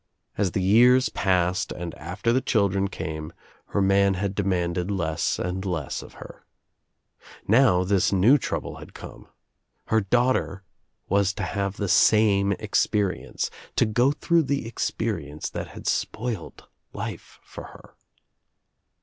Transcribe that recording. As the years passed and after the children came her man had , demanded less and less of her. Now this new trouble 2S8 THE TRIUMPH OF THE EGG had come. Her daughter was to have the same ex perience, to go through the experience that had spoiled life for her.